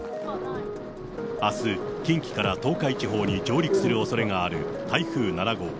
あす、近畿から東海地方に上陸するおそれがある台風７号。